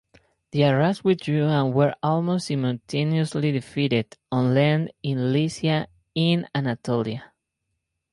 The Arabs withdrew and were almost simultaneously defeated on land in Lycia in Anatolia.